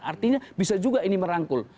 artinya bisa juga ini merangkul